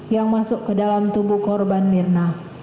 yang masuk ke dalam tubuh korban mirna